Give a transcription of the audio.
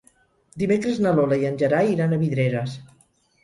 Dimecres na Lola i en Gerai iran a Vidreres.